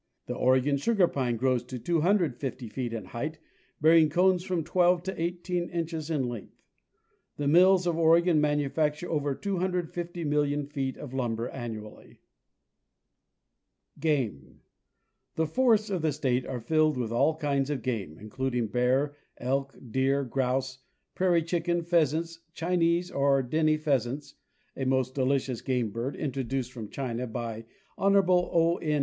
The Oregon sugar pine grows to 250 feet in height, bearing cones from 12 to 18 inches in length. The mills of Oregon manufacture over 250,000,000 feet of lumber annually. Game. The forests of the state are filled with all kinds of game, in cluding bear, elk, deer, grouse, prairie chicken, pheasants, Chi nese or Denny pheasants (a most delicious game bird, introduced from China by Honorable O. N.